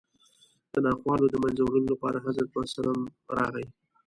د ناخوالو د منځه وړلو لپاره حضرت محمد صلی الله علیه وسلم راغی